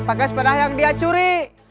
pakai sepeda yang dia curi